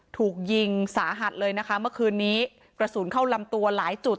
ถูกยิงสาหัสเลยนะคะเมื่อคืนนี้กระสุนเข้าลำตัวหลายจุด